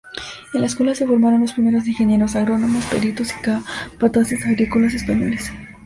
En la Escuela se formaron los primeros ingenieros agrónomos, peritos y capataces agrícolas españoles.